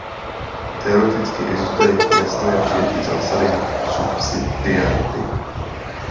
Teoreticky existuje jasné přijetí zásady subsidiarity.